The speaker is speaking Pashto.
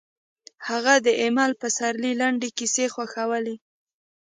هغې د ایمل پسرلي لنډې کیسې خوښولې